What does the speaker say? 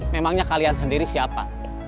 memangnya kalian sendiri siapa